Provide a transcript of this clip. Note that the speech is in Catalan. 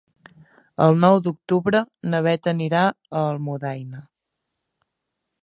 El nou d'octubre na Bet anirà a Almudaina.